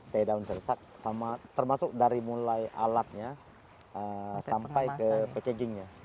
teh daun sirsak sama termasuk dari mulai alatnya sampai ke packagingnya